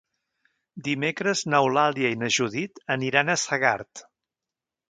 Dimecres n'Eulàlia i na Judit aniran a Segart.